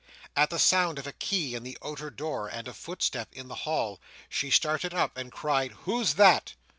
At the sound of a key in the outer door, and a footstep in the hall, she started up, and cried "Who's that?"